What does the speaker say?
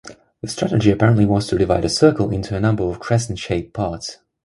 The strategy apparently was to divide a circle into a number of crescent-shaped parts.